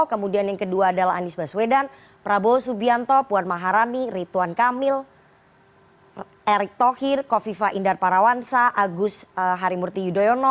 kemudian yang kedua adalah anies baswedan prabowo subianto puan maharani ritwan kamil erick tokir kofifa indar parawansa andika perkasa puan maharani tri risma harini susi pujiastuti dan juga mahfud md